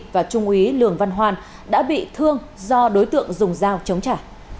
và trung úy lường văn hoan đã bị thương do đối tượng dùng dao chống trả